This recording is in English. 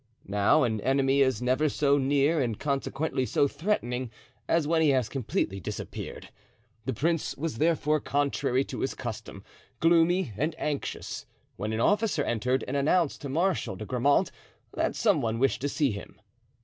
Now an enemy is never so near and consequently so threatening, as when he has completely disappeared. The prince was, therefore, contrary to his custom, gloomy and anxious, when an officer entered and announced to Marshal de Grammont that some one wished to see him.